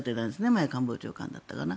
前、官房長官だったかな。